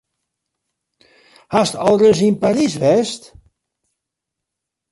Hast al ris yn Parys west?